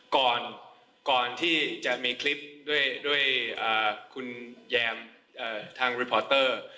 ก่อนที่จะมีคลิปด้วยคุณแยมทางรีพอร์เตอร์